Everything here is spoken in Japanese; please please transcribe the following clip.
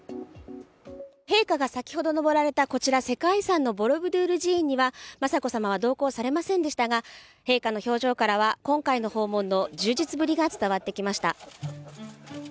陛下が先ほど上られたこちら世界遺産のボロブドゥール寺院には、雅子さまは同行されませんでしたが陛下の表情からは今回の訪問の充実ぶりが伝わってきました。